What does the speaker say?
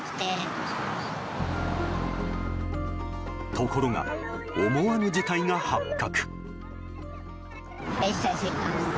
ところが、思わぬ事態が発覚。